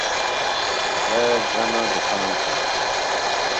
The mitochondria have tubular cristae.